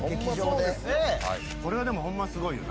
これはでもホンマすごいよな。